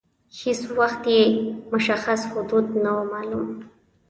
هیڅ وخت یې مشخص حدود نه وه معلوم.